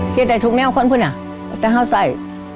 เก็บได้ทุกแนวข้อนพุน่ะแต่เข้าใส่